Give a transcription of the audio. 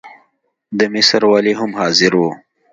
د مصر والي هم حاضر وو.